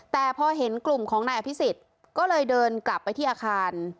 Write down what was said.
แต่พอเห็นกลุ่มของนายอภิษฎก็เลยเดินกลับไปที่อาคาร